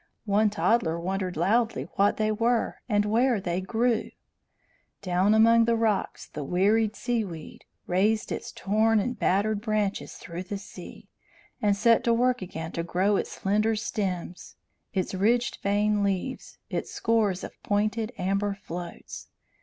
One toddler wondered loudly what they were and where they grew. Down among the rocks the wearied seaweed raised its torn and battered branches through the sea, and set to work again to grow its slender stems, its ridge veined leaves, its scores of pointed amber floats.